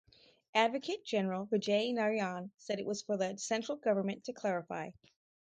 Advocate General Vijay Narayan said it was for the Central Government to clarify.